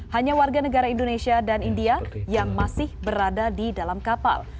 hanya warga negara indonesia dan india yang masih berada di dalam kapal